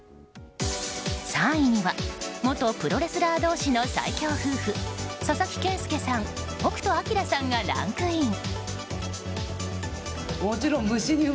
３位には元プロレスラー同士の最強夫婦佐々木健介さん、北斗晶さんがランクイン。